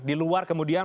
di luar kemudian